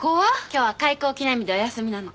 今日は開校記念日でお休みなの。